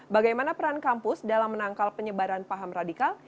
bagaimana peran kampus dalam menangkal penyebaran paham radikal